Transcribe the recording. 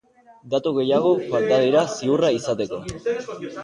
Datu gehiago falta dira ziurra izateko.